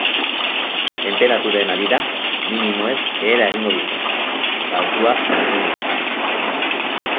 Tenperaturen harira, minimoek behera egingo dute eta altuak mantenduko dira.